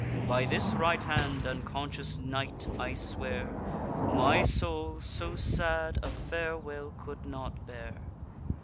By this right hand and conscious night I swear, My soul so sad a farewell could not bear.